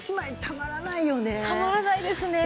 たまらないですね。